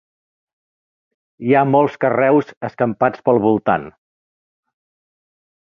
Hi ha molts carreus escampats pel voltant.